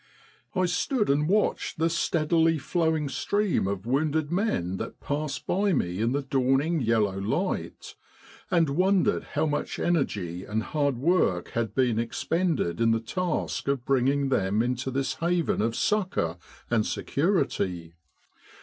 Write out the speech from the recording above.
" I stood and watched the steadily flowing stream of wounded men that passed by me in the dawning yellow light, and wondered how much energy and 236 Military General Hospitals in Egypt hard work had been expended in the task of bring ing them into this haven of succour and security.